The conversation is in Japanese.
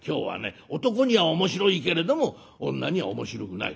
男には面白いけれども女には面白くない」。